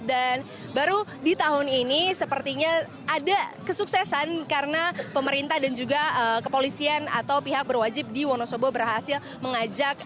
dan baru di tahun ini sepertinya ada kesuksesan karena pemerintah dan juga kepolisian atau pihak berwajib di wonosobo berhasil mengajak